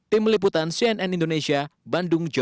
tim liputan cnn indonesia bandung jogja